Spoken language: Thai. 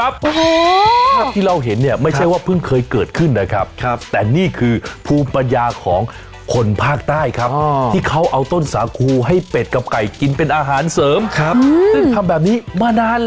ฉริยารายได้ต่อเดือนนะครับมีเลข๖หลักให้เห็นครับผม